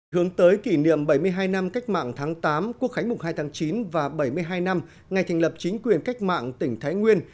hướng tới kỷ niệm bảy mươi hai năm cách mạng tháng tám quốc khánh mùng hai tháng chín và bảy mươi hai năm ngày thành lập chính quyền cách mạng tỉnh thái nguyên